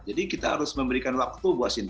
jadi kita harus memberikan waktu buat sintayang